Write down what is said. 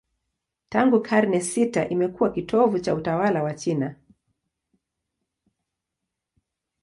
Tangu karne sita imekuwa kitovu cha utawala wa China.